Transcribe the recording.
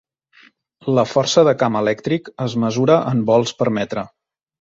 La força de camp elèctric es mesura en volts per metre.